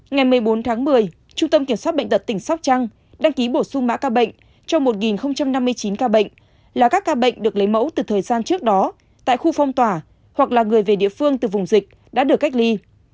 ngày một mươi bốn tháng một mươi trung tâm kiểm soát bệnh tật tỉnh sóc trăng đăng ký bổ sung mã ca bệnh cho một năm mươi chín ca bệnh là các ca bệnh được lấy mẫu từ thời gian trước đó tại khu phong tỏa hoặc là người về địa phương từ vùng dịch đã được cách ly